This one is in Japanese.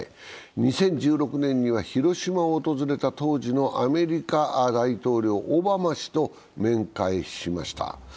２０１６年には広島を訪れた当時のアメリカ大統領・オバマ氏と面会しました。